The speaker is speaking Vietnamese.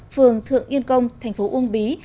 phường thượng yên công thành phố uông bí